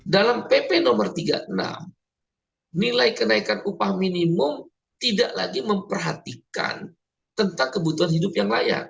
dalam pp no tiga puluh enam nilai kenaikan upah minimum tidak lagi memperhatikan tentang kebutuhan hidup yang layak